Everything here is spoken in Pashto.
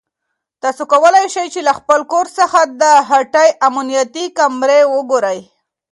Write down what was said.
تاسو کولای شئ چې له خپل کور څخه د هټۍ امنیتي کامرې وګورئ.